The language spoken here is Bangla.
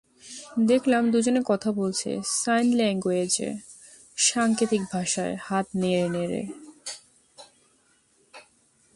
দেখলাম, দুজনে কথা বলছে, সাইন ল্যাঙ্গুয়েজে, সাংকেতিক ভাষায়, হাত নেড়ে নেড়ে।